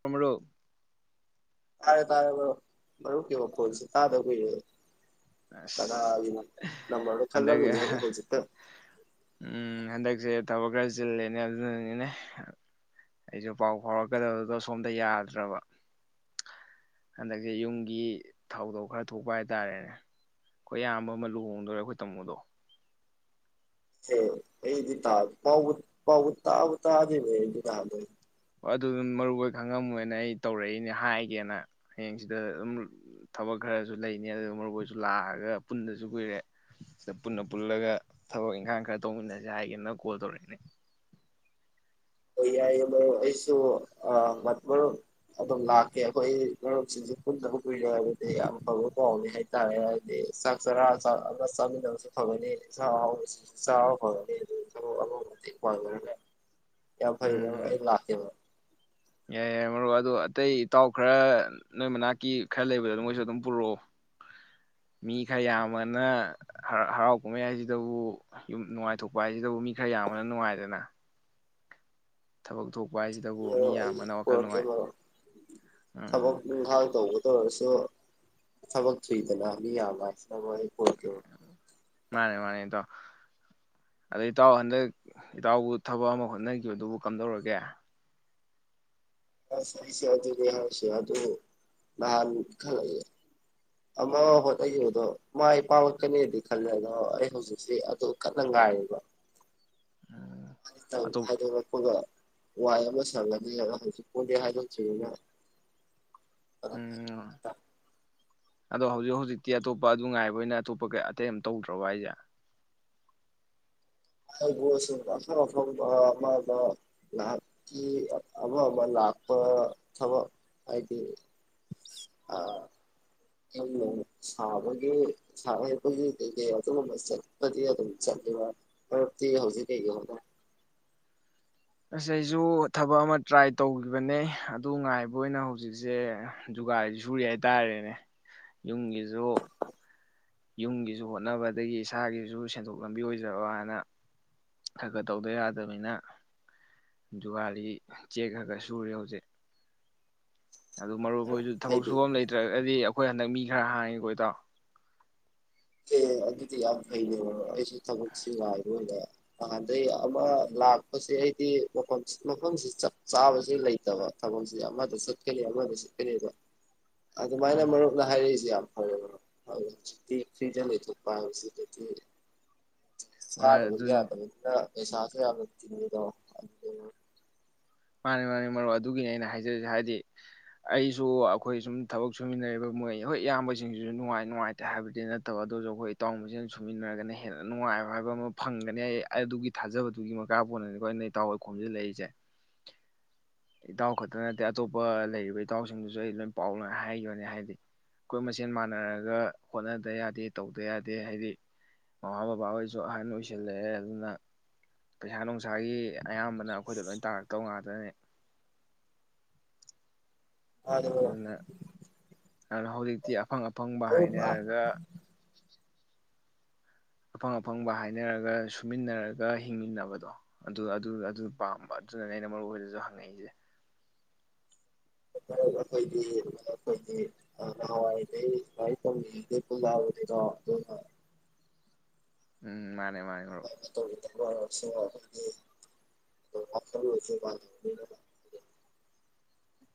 ꯊꯝꯃꯥꯕꯣ ꯇꯥꯔꯦ ꯇꯥꯔꯣꯕꯣ ꯃꯔꯨꯝꯀꯤ ꯃꯥꯈꯣꯏꯜꯁꯦ ꯇꯥꯗꯕ ꯀꯨꯔꯦ ꯑꯁ ꯀꯗꯥꯏ ꯂꯪꯝꯕꯔꯣ ꯍꯟꯗꯛ ꯈꯜꯂꯕꯤꯅꯦ ꯍꯥꯏꯗꯤ ꯍꯧꯖꯤꯛꯇꯥ ꯎꯝ ꯍꯟꯗꯛꯁꯦ ꯊꯕꯛ ꯈꯔ ꯆꯤꯜꯂꯦꯅꯦ ꯑꯗꯨꯅꯅꯤꯅꯦ ꯑꯩꯁꯨ ꯄꯥꯎ ꯐꯥꯎꯔꯛꯀꯗꯕꯗꯨꯗꯣ ꯁꯣꯝꯗ ꯌꯥꯗ꯭ꯔꯕ ꯍꯟꯗꯛꯁꯦ ꯌꯨꯝꯒꯤ ꯊꯧꯗꯧ ꯈꯔ ꯊꯣꯛꯄ ꯍꯥꯏꯇꯥꯔꯦꯅꯦ ꯑꯩꯈꯣꯏ ꯑꯌꯥꯝꯕ ꯑꯃ ꯂꯨꯍꯣꯡꯗꯣꯔꯦ ꯑꯩꯈꯣꯏ ꯇꯥꯃꯣꯗꯣ ꯄꯥꯎ ꯄꯥꯎ [unintelligible] ꯑꯗꯨ ꯑꯗꯨꯝ ꯃꯔꯨꯞ ꯍꯣꯢ ꯈꯪꯉꯝꯃꯣꯏꯅ ꯑꯩ ꯇꯧꯔꯛꯏꯅꯦ ꯍꯥꯏꯒꯦꯅ ꯍꯌꯦꯡ ꯁꯤꯗ ꯑꯗꯨꯝ ꯊꯕꯛ ꯈꯔꯁꯨ ꯂꯩꯅꯤ ꯑꯗꯨ ꯃꯔꯨꯝꯍꯣꯏꯁꯨ ꯂꯥꯛꯑꯒ ꯄꯨꯟꯗꯥꯁꯨ ꯀꯨꯏꯔꯦ ꯁꯤꯗ ꯄꯨꯟꯅ ꯄꯨꯜꯂꯒ ꯊꯕꯛ ꯏꯪꯈꯥꯡ ꯈꯔ ꯇꯧꯃꯤꯟꯅꯁꯦ ꯍꯥꯏꯒꯦꯅ ꯀꯣꯜ ꯇꯧꯔꯛꯏꯅꯦ ꯌꯥꯏꯌꯦ ꯃꯔꯨꯞ ꯑꯩꯁꯨ ꯃꯔꯨꯞ ꯑꯗꯨꯝ ꯂꯥꯛꯀꯦ ꯑꯩꯈꯣꯏ ꯃꯔꯨꯞꯁꯤꯡꯁꯨ ꯄꯨꯟꯗꯕ ꯀꯨꯏꯅ ꯍꯥꯏꯕꯗꯤ ꯌꯥꯝ ꯐꯕ ꯄꯥꯎꯅꯤ ꯍꯥꯏꯇꯥꯔꯦ ꯍꯥꯏꯗꯤ ꯆꯥꯛ ꯆꯔꯥꯥꯛ ꯑꯃ ꯆꯥꯃꯤꯟꯅꯕꯁꯨ ꯐꯒꯅꯤ ꯆꯥꯛ ꯍꯥꯎꯁꯨ ꯆꯥꯕ ꯐꯒꯅꯤ ꯑꯗꯨꯒ ꯑꯃ ꯃꯇꯦꯡ ꯄꯥꯡꯅꯔꯦ ꯌꯥꯝ ꯐꯥꯔꯦ ꯃꯔꯨꯞ ꯎꯝ ꯑꯩ ꯂꯥꯛꯀꯦ ꯌꯥꯏ ꯌꯥꯏ ꯃꯔꯨꯝ ꯑꯗꯣ ꯏꯇꯥꯎ ꯈꯔ ꯅꯣꯏ ꯃꯅꯥꯛꯀꯤ ꯈꯔ ꯂꯩꯕꯗꯣ ꯃꯣꯏꯁꯨ ꯑꯗꯨꯝ ꯄꯨꯔꯛꯑꯣ ꯃꯤ ꯈꯔ ꯌꯥꯝꯕꯅ ꯍꯔꯥꯎ ꯀꯨꯝꯍꯩ ꯍꯥꯏꯁꯤꯗꯕꯨ ꯌꯨꯝ ꯅꯨꯡꯉꯥꯏꯊꯣꯛꯄ ꯍꯥꯏꯁꯤꯗꯕꯨ ꯃꯤ ꯈꯔ ꯌꯥꯝꯕꯅ ꯅꯨꯡꯉꯥꯏꯗꯅ ꯊꯕꯛ ꯊꯣꯛ ꯑꯗ ꯑꯩ ꯄꯨꯔꯛꯀꯦꯕꯣ ꯎꯝ ꯊꯕꯛ ꯏꯪꯈꯥꯡ ꯇꯧꯕ ꯇꯧꯔꯁꯤ ꯑꯗꯣ ꯊꯕꯛ ꯊꯨꯏꯗꯅ ꯃꯤ ꯌꯥꯝꯕ [unintelligible] ꯑꯩ ꯄꯨꯔꯛꯀꯦ ꯃꯥꯅꯦ ꯃꯥꯅꯦ ꯏꯇꯥꯎ ꯑꯗ ꯏꯇꯥꯎ ꯍꯟꯗꯛ ꯏꯇꯥꯎꯕꯨ ꯊꯕꯛ ꯑꯃ ꯍꯣꯠꯅꯈꯤꯕꯗꯨꯕꯨ ꯀꯝꯗꯧꯔꯒꯦ ꯑꯁ ꯑꯩꯁꯦ ꯑꯗꯨꯅꯤ ꯍꯥꯏꯁꯦ ꯑꯗꯨ ꯅꯍꯥꯟ ꯈꯜꯂꯛꯑꯦ ꯑꯃ ꯍꯣꯠꯅꯈꯤꯕꯗꯣ ꯃꯥꯏ ꯄꯠꯀꯅꯦꯗꯤ ꯈꯜꯂꯦ ꯑꯗꯣ ꯑꯩ ꯍꯧꯖꯤꯛꯁꯤ ꯑꯗꯨ ꯀꯟꯅ ꯉꯥꯏꯔꯤꯕ ꯎꯝ ꯑꯗꯨ ꯇꯧꯁꯤ ꯑꯇꯣꯞ ꯍꯥꯏꯗꯣꯂꯛꯄꯒ ꯋꯥꯏ ꯑꯃ ꯁꯪꯉꯅꯤ ꯍꯧꯖꯤꯛ ꯄꯨꯗꯤ ꯍꯥꯏꯗꯣꯛꯇ꯭ꯔꯤꯃꯤꯅ ꯎꯝ ꯑꯗꯣ ꯍꯧꯖꯤꯛ ꯍꯧꯖꯤꯛꯇꯤ ꯑꯇꯣꯞꯄ ꯑꯗꯨ ꯉꯥꯏꯕ ꯑꯣꯏꯅ ꯑꯇꯣꯞꯄ ꯀ ꯑꯇꯩ ꯑꯃ ꯇꯧꯗ꯭ꯔꯕꯣ ꯍꯥꯏꯁꯦ ꯑꯗꯨꯕꯨ ꯑꯐꯪ ꯑꯐꯪꯕ ꯑꯃꯗ ꯉꯥꯏꯍꯥꯛꯀꯤ ꯑꯃ ꯑꯃ ꯂꯥꯛꯄ ꯊꯕꯛ ꯍꯥꯏꯗꯤ ꯑ ꯁꯥꯕꯒꯤ ꯍꯩꯄꯒꯤ ꯀꯩ ꯑꯗꯨꯒꯨꯝꯕ ꯆꯠꯄꯗꯤ ꯑꯗꯨꯝ ꯆꯠꯂꯤꯕ ꯃꯔꯛꯇꯤ ꯍꯧꯖꯤꯛ ꯀꯩꯒꯤ ꯍꯅ ꯑꯁ ꯑꯩꯁꯨ ꯊꯕꯛ ꯑꯃ ꯇ꯭ꯔꯥꯏ ꯇꯧꯈꯤꯕꯅꯦ ꯑꯗꯨ ꯉꯥꯏꯕ ꯑꯣꯏꯅ ꯍꯧꯖꯤꯛꯁꯦ ꯖꯨꯒꯥꯂꯤ ꯁꯨꯔꯤ ꯍꯥꯏꯇꯥꯔꯦꯅꯦ ꯌꯨꯝꯒꯤꯁꯨ ꯌꯨꯝꯒꯤꯁꯨ ꯍꯣꯠꯅꯕ ꯑꯗꯒꯤ ꯏꯁꯥꯒꯤꯁꯨ ꯁꯦꯟꯊꯣꯛ ꯂꯝꯕꯤ ꯑꯣꯏꯖꯕꯅ ꯈꯔ ꯈꯔ ꯇꯧꯗ ꯌꯥꯗꯕꯅꯤꯅ ꯗꯨꯨꯒꯥꯂꯤ ꯆꯦꯛ ꯈꯔ ꯈꯔ ꯁꯨꯔꯦ ꯍꯧꯖꯤꯛ ꯑꯗꯨ ꯃꯔꯨꯞ ꯍꯣꯏꯁꯨ ꯊꯕꯛ ꯍꯥꯏꯗꯤ ꯁꯨꯐꯝ ꯂꯩꯇ꯭ꯔ ꯗꯤ ꯑꯩꯈꯣꯏ ꯍꯟꯗꯛ ꯃꯤ ꯈꯔ ꯍꯥꯡꯉꯤ ꯀꯣ ꯏꯇꯥꯎ ꯑꯦ ꯑꯗꯨꯗꯤ ꯌꯥꯝ ꯐꯩꯅꯦ ꯃꯔꯨꯞ ꯑꯩꯁꯨ ꯊꯕꯛꯁꯤ ꯉꯥꯏꯕꯑꯣꯏꯅ ꯅꯍꯥꯟꯗꯩ ꯑꯃ ꯂꯥꯛꯄꯁꯦ ꯑꯩꯗꯤ ꯃꯐꯝ ꯃꯐꯝꯁꯤ ꯆꯞ ꯆꯥꯕꯕꯁꯤ ꯂꯩꯇꯕ ꯊꯕꯛꯁꯤ ꯑꯃꯗ ꯆꯠꯀꯅꯤ ꯑꯃꯗ ꯆꯠꯀꯅꯤꯕ ꯑꯗꯨꯃꯥꯏꯅ ꯎꯝ ꯃꯔꯨꯞꯅ ꯍꯥꯏꯔꯛꯏꯁꯦ ꯌꯥꯝ ꯑꯧ ꯑꯧ ꯍꯧꯖꯤꯛꯇꯤ ꯗ ꯊꯨꯄꯥꯏ ꯍꯧꯁꯤ ꯊ [unintelligible] ꯆꯥꯗꯕꯗꯤ ꯑꯗꯨꯅꯤ ꯌꯥꯗꯕꯅꯤꯅ ꯄꯩꯁꯥꯁꯨ ꯌꯥꯝꯅ ꯇꯤꯡꯉꯤꯗꯣ ꯃꯥꯅꯤ ꯃꯥꯅꯤ ꯃꯔꯨꯞ ꯑꯗꯨꯒꯤꯅꯤ ꯑꯩꯅ ꯍꯥꯏꯖꯔꯤꯁꯦ ꯍꯥꯏꯗꯤ ꯑꯩꯁꯨ ꯑꯩꯈꯣꯏ ꯁꯨꯝ ꯊꯕꯛ ꯁꯨꯃꯤꯟꯅꯔꯤꯕ ꯃꯣꯏ ꯍꯣꯏ ꯏꯌꯥꯝꯕꯁꯤꯡꯁꯤꯁꯨ ꯅꯨꯡꯉꯥꯏ ꯅꯨꯡꯉꯥꯏꯇꯦ ꯍꯥꯏꯕꯗꯤ ꯅꯠꯇꯕ ꯑꯗꯨꯁꯨ ꯑꯩꯈꯣꯏ ꯏꯇꯥꯎ ꯃꯁꯤꯡ ꯁꯨꯃꯤꯟꯅꯔꯒꯅ ꯍꯦꯟꯅ ꯅꯨꯡꯉꯥꯏꯕ ꯍꯥꯏꯕ ꯑꯃ ꯐꯪꯒꯅꯤ ꯑꯩ ꯑꯗꯨꯒꯤ ꯊꯥꯖꯕꯗꯨꯒꯤ ꯃꯈꯥ ꯄꯣꯟꯅꯅꯤꯀꯣ ꯑꯩꯅ ꯏꯇꯥꯎꯈꯣꯏ ꯈꯣꯝꯖꯤꯜꯂꯛꯏꯁꯦ ꯏꯇꯥꯎ ꯈꯛꯇ ꯅꯠꯇꯦ ꯑꯇꯣꯞꯄ ꯂꯩꯔꯤꯕ ꯏꯇꯥꯎꯁꯤꯡꯗꯨꯁꯨ ꯑꯩ ꯂꯣꯏ ꯄꯥꯎ ꯂꯣꯏ ꯍꯥꯏꯈ꯭ꯔꯒꯦ ꯍꯥꯏꯗꯤ ꯑꯩꯈꯣꯏ ꯃꯁꯦꯟ ꯃꯥꯟꯅꯔꯒ ꯍꯣꯠꯅꯗ ꯌꯥꯗꯦ ꯇꯧꯗ ꯌꯥꯗꯦ ꯍꯥꯏꯗꯤ ꯃꯃꯥ ꯕꯕꯥ ꯍꯣꯏꯁꯨ ꯑꯍꯟ ꯑꯣꯏꯁꯤꯜꯂꯛꯑꯦ ꯑꯗꯨꯅ ꯄꯩꯁꯥ ꯅꯨꯡꯁꯥꯒꯤ ꯑꯌꯥꯝꯕꯅ ꯑꯩꯈꯣꯏꯗ ꯂꯣꯏꯅ ꯇꯥꯔꯛꯇꯧꯕ ꯉꯥꯛꯇꯅꯤ ꯑꯗꯨ ꯍꯧꯖꯥꯡ ꯇꯥ ꯑꯐꯪ ꯑꯐꯪꯕ ꯍꯥꯏꯅꯔꯒ ꯑꯐꯪ ꯑꯐꯪꯕ ꯍꯥꯏꯅꯔꯒ ꯁꯨꯃꯤꯟꯅꯔꯒ ꯍꯤꯡꯃꯤꯟꯅꯕꯗꯣ ꯑꯗꯨ ꯑꯗꯨ ꯄꯥꯝꯕ ꯑꯗꯨꯅꯅꯦ ꯑꯩꯅ ꯃꯔꯨꯞ ꯍꯣꯏꯗꯁꯨ ꯍꯪꯉꯛꯏꯁꯦ ꯑꯩꯈꯣꯏꯗꯤ ꯅꯈꯣꯏꯗꯤ ꯅꯍꯥꯟꯋꯥꯏꯗꯩ ꯂꯥꯏꯔꯤꯛ ꯇꯧꯔꯤꯉꯩꯗꯩ ꯄꯨꯟꯂꯛꯑꯕꯅꯤꯗꯣ ꯑꯗꯨꯅ ꯎꯝ ꯃꯥꯅꯤ ꯃꯥꯅꯤ ꯃꯥꯅꯤ ꯃꯔꯨꯞ [inaudible]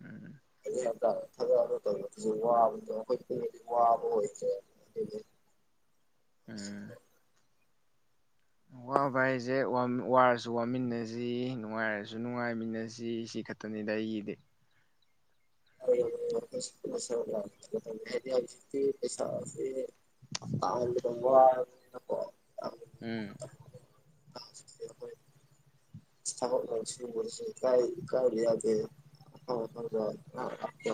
ꯎꯝ ꯑꯗꯨ ꯌꯥꯝꯇꯥ ꯊꯥꯗꯛꯑꯒ ꯇꯧꯕꯔꯁꯨ ꯋꯥꯕꯗꯣ ꯑꯩꯈꯣꯏ ꯄꯨꯗꯤ ꯋꯥꯕ ꯑꯣꯏꯗꯦ ꯑꯗꯨꯗꯤ ꯎꯝ ꯋꯥꯕꯥ ꯍꯥꯏꯁꯦ ꯋꯥꯔꯁꯨ ꯋꯥꯃꯤꯟꯅꯁꯤ ꯅꯨꯡꯉꯥꯏꯔꯁꯨ ꯅꯨꯡꯉꯥꯏꯃꯤꯟꯅꯁꯤ ꯁꯤ ꯈꯛꯇꯅꯤꯗ ꯑꯩꯒꯤꯗꯤ ꯍꯣꯏꯌꯦ ꯍꯣꯏꯌꯦ ꯑꯩꯈꯣꯏꯒꯤꯁꯨ ꯁꯔꯨꯛ ꯂꯥꯛꯀꯅꯤꯗ ꯍꯥꯏꯗꯤ ꯍꯧꯖꯤꯛꯇꯤ ꯄꯩꯁꯥꯁꯦ ꯇꯥꯟꯕꯗ ꯋꯥꯔꯕꯅꯤꯅꯀꯣ ꯌꯥꯝ ꯎꯝ [unintelligible] ꯍꯣꯏ ꯊ ꯁꯨꯔꯁꯦ ꯀꯥꯏ ꯀꯥꯏꯌꯥꯗ ꯈ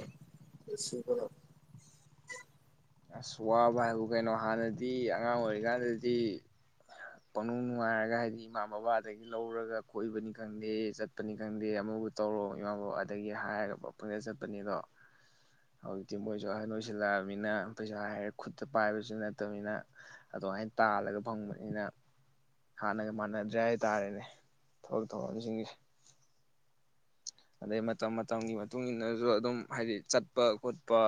ꯑꯁ ꯋꯥꯕ ꯍꯥꯏꯕꯨ ꯀꯩꯅꯣ ꯍꯥꯟꯅꯗꯤ ꯑꯉꯥꯡ ꯑꯣꯏꯔꯤꯀꯥꯟꯗꯗꯤ ꯄꯡꯅꯨꯡ ꯅꯨꯡꯉꯥꯏꯔꯒ ꯍꯥꯏꯗꯤ ꯏꯃꯥ ꯕꯕꯥꯗꯒꯤ ꯂꯧꯔꯒ ꯀꯣꯏꯕꯅꯤ ꯈꯪꯗꯦ ꯆꯠꯄꯅꯤ ꯈꯪꯗꯦ ꯑꯃꯕꯨ ꯇꯧꯔꯣ ꯏꯃꯥ ꯕꯕꯥꯗꯒꯤ ꯍꯥꯏꯔꯒ ꯄꯪꯆꯠꯇ ꯆꯠꯄꯅꯤꯗꯣ ꯍꯧꯖꯤꯛꯇꯤ ꯃꯣꯏꯁꯨ ꯑꯍꯟ ꯑꯣꯏꯁꯤꯜꯂꯛꯑꯝꯅꯤꯅ ꯄꯩꯁꯥ ꯍꯥꯏꯔꯦ ꯈꯨꯠꯇ ꯄꯥꯏꯕꯁꯨ ꯅꯠꯇꯕꯅꯤꯅ ꯑꯗꯨꯃꯥꯏꯅ ꯇꯥꯜꯂꯒ ꯐꯪꯕꯅꯤꯅ ꯍꯥꯟꯅꯒ ꯃꯥꯟꯅꯗ꯭ꯔꯦ ꯍꯥꯏꯇꯥꯔꯦꯅꯦ ꯊꯕꯛ ꯊꯧꯔꯝꯁꯤꯡꯁꯦ ꯑꯗꯩ ꯃꯇꯝ ꯃꯇꯝꯒꯤ ꯃꯇꯨꯡ ꯏꯟꯅꯁꯨ ꯑꯗꯨꯝ ꯍꯥꯏꯗꯤ ꯆꯠꯄ ꯈꯣꯠꯄ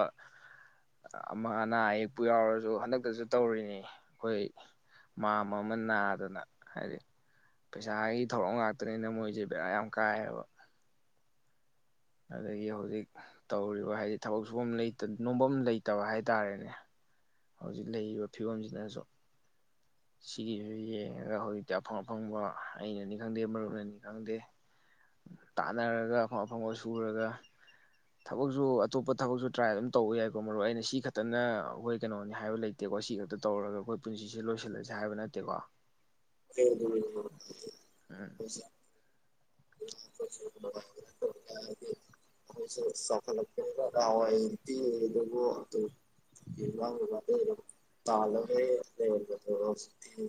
ꯑꯃ ꯑꯅꯥ ꯑꯌꯦꯛꯄꯨ ꯌꯥꯎꯔꯁꯨ ꯍꯟꯗꯛꯇꯁꯨ ꯇꯧꯔꯤꯅꯤ ꯑꯩꯈꯣꯏ ꯃꯥꯝꯃ ꯑꯃ ꯑꯃ ꯅꯥꯗꯅ ꯍꯥꯏꯗꯤ ꯄꯩꯁꯥꯒꯤ ꯊꯧꯔꯝ ꯉꯥꯛꯇꯅꯤꯅ ꯃꯣꯏꯁꯦ ꯕꯦꯔꯥ ꯌꯥꯝ ꯀꯥꯏꯌꯦꯕ ꯑꯗꯒꯤ ꯍꯧꯖꯤꯛ ꯇꯧꯔꯤꯕ ꯍꯥꯏꯗꯤ ꯊꯕꯛ ꯁꯨꯐꯝꯇ ꯅꯣꯐꯝ ꯂꯩꯇꯕ ꯍꯥꯏꯇꯥꯥꯔꯦꯅꯦ ꯍꯧꯖꯤꯛ ꯂꯩꯔꯤꯕ ꯐꯤꯕꯝꯁꯤꯗꯁꯨ ꯁꯤꯒꯤꯁꯨ ꯌꯦꯡꯉꯒ ꯍꯧꯖꯤꯛꯇꯤ ꯑꯐꯪ ꯑꯐꯪꯕ ꯑꯩꯅꯅꯤ ꯈꯪꯗꯦ ꯃꯔꯨꯞꯅꯅꯤ ꯈꯪꯗꯦ ꯇꯥꯟꯅꯔꯒ ꯑꯐꯪ ꯑꯐꯪꯕ ꯁꯨꯔꯒ ꯊꯕꯛꯁꯨ ꯑꯇꯣꯞꯄ ꯊꯕꯛꯁꯨ ꯇ꯭ꯔꯥꯏ ꯑꯗꯨꯝ ꯇꯧꯕ ꯌꯥꯏꯀꯣ ꯃꯔꯨ ꯑꯩꯅ ꯁꯤ ꯈꯛꯇꯅ ꯑꯩꯈꯣꯏ ꯀꯩꯅꯣꯅꯤ ꯍꯥꯏꯕ ꯂꯩꯇꯦꯀꯣ ꯁꯤ ꯈꯛꯇ ꯇꯧꯔꯒ ꯑꯩꯈꯣꯏ ꯄꯨꯟꯁꯤꯁꯦ ꯂꯣꯏꯁꯤꯜꯂꯁꯤ ꯍꯥꯏꯕ ꯅꯠꯇꯦꯀꯣ ꯎꯝ [unintelligible] [unintelligible] ꯇꯂꯔ ꯂꯩ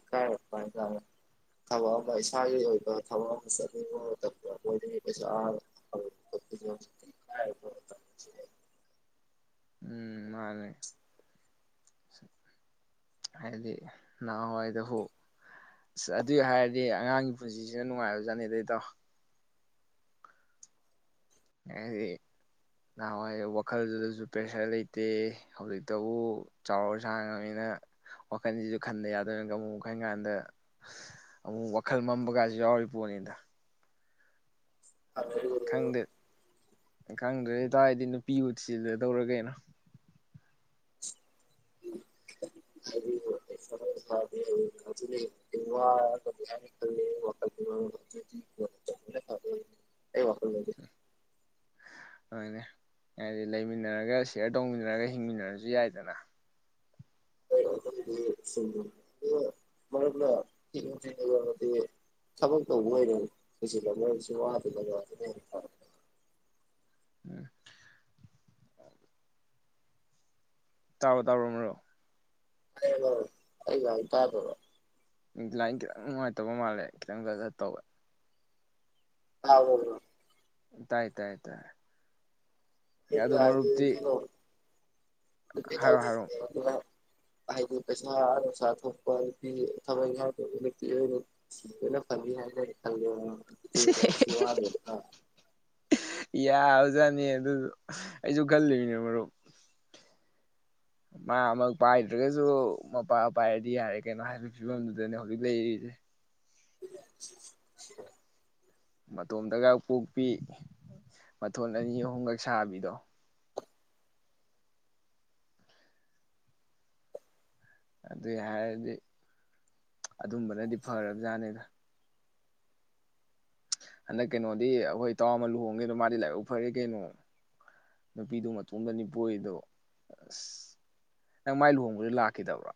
ꯀ ꯑꯗꯨꯃꯥꯏꯇꯥꯔꯦ ꯊꯕꯛ ꯑꯃ ꯏꯁꯥꯒꯤ ꯑꯣꯏꯕ ꯊꯕꯛ ꯑꯃ ꯆꯠꯅꯤꯡꯕ ꯃꯇꯝꯗ ꯑꯣꯏꯅꯤꯡꯉ ꯀꯩꯁꯥ ꯑ ꯍꯧꯖꯤꯛꯇ ꯎꯝ ꯃꯥꯅꯦ ꯍꯥꯏꯗꯤ ꯅꯍꯥꯟꯋꯥꯏꯗ ꯍꯨ ꯑꯁ ꯑꯗꯨꯏ ꯍꯥꯏꯔꯗꯤ ꯑꯉꯥꯡꯒꯤ ꯄꯨꯟꯁꯤꯁꯤꯅ ꯅꯨꯡꯉꯥꯏꯕꯖꯥꯠꯅꯤ ꯏꯇꯥꯎ ꯍꯥꯏꯗꯤ ꯅꯍꯥꯟꯋꯥꯏ ꯋꯥꯈꯜꯗꯨꯗꯁꯨ ꯄ꯭ꯔꯦꯁꯔ ꯂꯩꯇꯦ ꯍꯧꯖꯤꯛꯇꯕꯨ ꯆꯥꯎꯔ ꯁꯥꯥꯡꯉꯕꯅꯤꯅ ꯋꯥꯈꯜꯁꯤꯁꯨ ꯈꯟꯗ ꯌꯥꯗꯣꯏꯅꯤꯒ ꯑꯃꯨꯛ ꯈꯟ ꯀꯥꯟꯗ ꯑꯃꯨꯛ ꯋꯥꯈꯜ ꯃꯝꯕꯒꯁꯨ ꯌꯥꯎꯔꯤ ꯄꯣꯠꯅꯤꯗ ꯑꯗꯨꯦ ꯈꯪꯗꯦ ꯈꯪꯗ꯭ꯔꯦꯇꯥꯔꯗꯤ ꯅꯨꯄꯤꯕꯨꯁꯤꯗ ꯇꯧꯔ ꯀꯩꯅꯣ [inaudible] ꯋꯥ ꯀ ꯋꯥ ꯑꯗꯨꯅꯦ ꯍꯥꯏꯗꯤ ꯂꯩꯃꯤꯟꯅꯔꯒ ꯁꯤꯌꯥꯔ ꯇꯧꯃꯤꯟꯅꯔꯒ ꯍꯤꯡꯃꯤꯟꯅꯔꯁꯨ ꯌꯥꯏꯗꯅ ꯑꯩꯈꯣꯏꯗꯤ ꯃꯔꯝ ꯍꯤꯁꯤꯕ ꯑꯃꯗꯤ ꯊꯕꯛ ꯇꯧꯕ ꯑꯣꯏꯅ ꯍꯨꯖꯤꯜꯕ ꯃꯔꯝꯁꯨ ꯋꯥꯗꯅ ꯑꯗꯨꯅ ꯍꯦꯟꯅ ꯐꯔꯛ ꯎꯝ ꯇꯥꯔꯣ ꯇꯥꯔꯣ ꯃꯔꯨꯞ ꯑꯔꯦ ꯑꯩꯉꯥꯡ ꯇꯥꯗꯔꯥꯕ ꯂꯥꯏ ꯈꯤꯇꯪ ꯅꯨꯡꯉꯥꯏꯇꯕ ꯃꯥꯜꯂꯦ ꯈꯤꯇꯪ ꯈꯠ ꯈꯠ ꯇꯧꯋꯦ ꯇꯥꯕꯔꫭ ꯇꯥꯏ ꯇꯥꯏ ꯑꯗꯨ ꯃꯔꯨꯞꯇꯤ ꯑꯩꯗꯤꯅ ꯐꯋꯇꯤ ꯍꯥꯏꯔꯣ ꯍꯥꯏꯔꯣ ꯊꯥꯎꯖꯟ ꯍꯥꯏꯗꯤ ꯄꯩꯁꯥ ꯅꫭꯡꯁꯥ ꯊꫭꯛꯞ [unintelligible] [unintelligible] ꯌꯥ ꯑꯣꯖꯥꯅꯤ ꯑꯗꯨꯁꯨ ꯑꯩꯁꯨ ꯈꯜꯂꯤꯕꯅꯦ ꯃꯔꯨꯞ ꯃꯥ ꯑꯃ ꯄꯥꯏꯗ꯭ꯔꯒꯁꯨ ꯃꯄꯥ ꯄꯥꯏꯔꯗꯤ ꯌꯥꯔꯦ ꯀꯩꯅꯣ ꯍꯥꯏꯕꯒꯤ ꯐꯤꯕꯝꯗꯨꯗꯅꯦ ꯍꯧꯖꯤꯛ ꯂꯩꯔꯤꯁꯦ [inaudible] ꯃꯇꯣꯝꯇꯒ ꯄꯣꯛꯄꯤ ꯃꯊꯣꯟ ꯑꯅꯤ ꯑꯍꯨꯝꯈꯛ ꯁꯥꯕꯤꯗꯣ ꯑꯗꯨꯏ ꯌꯥꯔꯗꯤ ꯑꯗꯨꯝꯕꯅꯗꯤ ꯐꯔꯕꯖꯥꯠꯅꯤꯗ ꯍꯟꯗꯛ ꯀꯩꯅꯣꯗꯤ ꯑꯩꯈꯣꯏ ꯇꯥꯎ ꯑꯃ ꯂꯨꯍꯣꯡꯒꯦꯗꯣ ꯃꯥꯗꯤ ꯂꯥꯏꯕꯛ ꯐꯔꯦ ꯀꯩꯅꯣ ꯅꯨꯄꯤꯗꯨ ꯃꯇꯣꯝꯗ ꯅꯤꯄꯣꯏꯗꯣ ꯑꯁ ꯅꯪ ꯃꯥꯏ ꯂꯨꯍꯣꯡꯕꯗ ꯂꯥꯛꯈꯤꯗꯕ꯭ꯔꯥ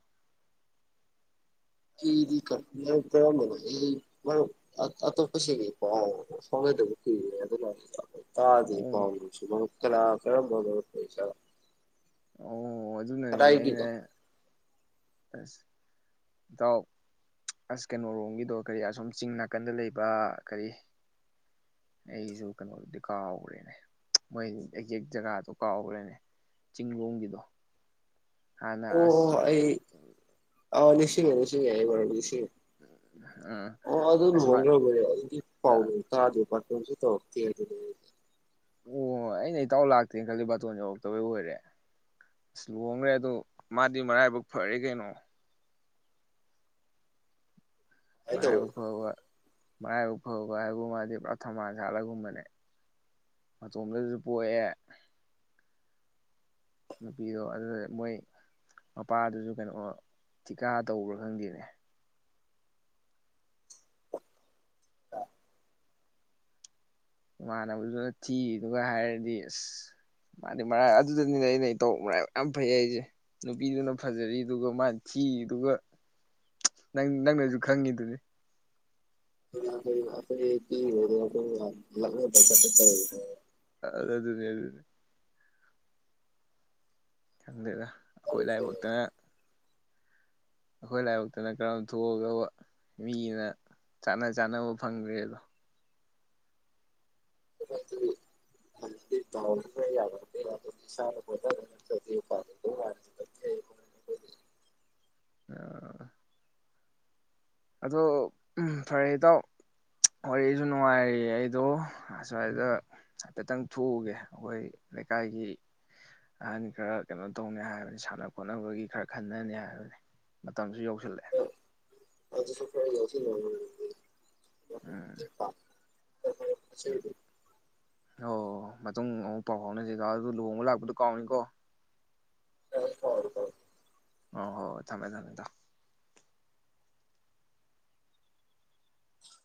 ꯀꯗꯤ ꯀꯔꯝꯕ ꯃꯔ ꯑꯇꯣꯞꯄ ꯁꯤꯒꯤꯥꯎ ꯐꯥꯎꯉꯗꯕ ꯀ ꯑꯗꯨ ꯇꯥꯗꯔꯤ ꯑꯣ ꯄꯥꯎꯁꯤ ꯀꯅꯥ ꯀꯔꯝꯕ ꯃꯔꯨꯞ ꯑꫭꯏꯖꯠ ꯑꯣ ꯑꯣ ꯑꯗꯨꯅꯅꯤ ꯑꯩꯅ ꯑꯖ ꯏꯇꯥꯎ ꯑꯁ ꯀꯩꯅꯔꯣꯝꯒꯤꯗꯣ ꯀꯔꯤ ꯑꯁꯨꯝ ꯆꯤꯡ ꯅꯥꯀꯟꯗ ꯂꯩꯕ ꯀꯔꯤ ꯑꯩꯁꯨ ꯀꯩꯅꯣꯗꯨꯗꯤ ꯀꯥꯎꯈ꯭ꯔꯦꯅꯦ ꯃꯣꯏ ꯑꯦꯛꯖꯦꯛ ꯖꯒꯥꯗꯣ ꯀꯥꯎꯈ꯭ꯔꯦꯅꯦ ꯆꯤꯡ ꯂꯣꯝꯒꯤꯗꯣ ꯍꯥꯟꯅ ꯑꯣ ꯑꯁ ꯑꯣ ꯅꯤꯡꯁꯤꯡꯤꯡꯉ ꯅꯤꯡꯆꯤꯡꯉ ꯍꯥꯏꯣ ꯎꯝ ꯑꯣ ꯑꯗꯨ ꯑꯁ ꯃꯥ ꯂꯨꯍꯣꯡꯒꯔꯕꯣꯏꯔꯦ [unintelligible] ꯄꯥꯎꯅꯣꯡ ꯇꯥꯗꯦ ꯕꯥꯔꯇꯣꯟꯁꯨ ꯇꯧꯔꯛꯇꯦ ꯑꯣ ꯑꯩꯅ ꯏꯇꯥꯎ ꯂꯥꯛꯇꯦꯅ ꯈꯜꯂꯤ ꯕꯥꯇꯣꯟ ꯌꯧꯔꯛꯇꯕꯩ ꯑꯣꯏꯔꯦ ꯑꯁ ꯂꯨꯍꯣꯡꯒꯔ꯭ꯦ ꯑꯗꯨ ꯃꯥꯗꯤ ꯃꯔꯥꯏꯕꯛ ꯐꯔꯦ ꯀꯩꯅꯣ ꯁꯨꯃꯥꯏꯅ ꯇꯧꯋꯦ ꯃꯔꯥꯏꯕꯛ ꯐꯕ ꯃꯔꯥꯏꯕꯛ ꯐꯕ ꯍꯥꯏꯕꯨ ꯃꯥꯗꯤ ꯄꯨꯔꯥ ꯊꯝꯕꯥꯜ ꯁꯥꯠꯂꯒꯨꯝꯕꯅꯦ ꯃꯇꯣꯝꯇꯁꯨ ꯄꯣꯛꯑꯦ ꯅꯨꯄꯤꯗꯣ ꯑꯗꯨꯗ ꯃꯣꯏ ꯃꯄꯥꯗꯨꯁꯨ ꯀꯩꯅꯣ ꯊꯤꯀꯥ ꯇꯧꯕ꯭ꯔꯥ ꯈꯪꯗꯦꯅꯦ ꯏꯃꯥꯟꯅꯕꯗꯨꯅ ꯊꯤꯔꯤꯗꯨꯒ ꯍꯥꯏꯔꯗꯤ ꯑꯁ ꯃꯥꯗꯤ ꯃꯔꯥꯏ ꯑꯗꯨꯗꯅꯤꯅ ꯑꯩꯅ ꯏꯇꯧ ꯃꯔꯥꯏꯕꯛ ꯌꯥꯝ ꯐꯩ ꯍꯥꯏꯁꯦ ꯅꯨꯄꯤꯗꯨꯅ ꯐꯖꯔꯤꯗꯨꯒ ꯃꯥꯗꯤ ꯊꯤꯔꯤꯗꯨꯒ ꯅꯪ ꯅꯪꯅꯁꯨ ꯈꯪꯉꯤꯗꯨꯅꯤ [unintelligible] ꯑꯗꯨꯅꯦ ꯑꯗꯨꯅꯦ ꯈꯪꯗꯦꯗ ꯑꯈꯣꯏ ꯂꯥꯏꯕꯛꯇꯅ ꯑꯈꯣꯏ ꯂꯥꯏꯕꯛꯇꯅ ꯀꯔꯝ ꯊꯣꯛꯑꯒꯕ ꯃꯤꯒꯤꯅ ꯆꯥꯅ ꯆꯥꯅꯕ ꯐꯪꯒꯔ꯭ꯦꯗꯣ [unintelligible] [unintelligible] [unintelligible] ꯑꯗꯣ ꯐꯔꯦ ꯏꯇꯥꯎ ꯋꯥꯔꯤꯁꯨ ꯅꯨꯡꯉꯥꯏꯔꯤ ꯑꯩꯗꯣ ꯑꯁ꯭ꯋꯥꯏꯗ ꯍꯥꯏꯐꯦꯠꯇꯪ ꯊꯣꯛꯎꯒꯦ ꯑꯩꯈꯣꯏ ꯂꯩꯀꯥꯏꯒꯤ ꯑꯍꯟ ꯈꯔ ꯀꯩꯅꯣ ꯇꯧꯅꯤ ꯍꯥꯏꯕꯅꯤ ꯁꯥꯟꯅ ꯈꯣꯠꯅꯕꯒꯤ ꯈꯔ ꯈꯟꯅꯅꯤ ꯍꯥꯏꯕꯅꯤ ꯃꯇꯝꯁꯨ ꯌꯧꯁꯤꯜꯂꯛꯑꯦ [unintelligible] [unintelligible] ꯎꯝ [unintelligible] ꯎꯝ [unintelligible] ꯑꯣ ꯃꯇꯨꯡ ꯑꯃꯨꯛ ꯄꯥꯎ ꯐꯥꯎꯅꯁꯤ ꯑꯗꯨ ꯂꯨꯍꯣꯡꯕ ꯂꯥꯛꯄꯗꯨ ꯀꯥꯎꯅꯤꯀꯣ ꯈꯔ ꯐꯥꯎꯔꯦ ꯍꯣ ꯍꯣ ꯍꯣꯏ ꯊꯝꯃꯦ ꯊꯝꯃꯦ ꯊꯝꯃꯦ